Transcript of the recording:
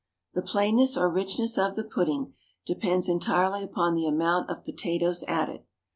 The plainness or richness of the pudding depends entirely upon the amount of potatoes added.